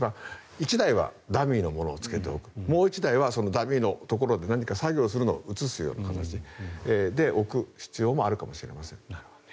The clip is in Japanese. １台はダミーのものをつけておくもう１台はダミーのところで何か作業をするのを映すような形で置く必要もあるかもしれません。